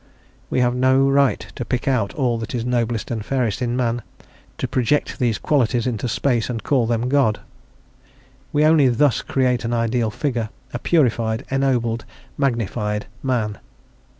We have no right to pick out all that is noblest and fairest in man, to project these qualities into space, and to call them God. We only thus create an ideal figure, a purified, ennobled, "magnified" Man.